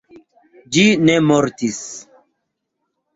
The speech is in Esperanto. Ĝi ne mortis.